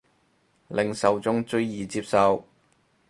令受眾最易接受